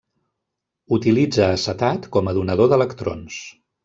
Utilitza acetat com a donador d'electrons.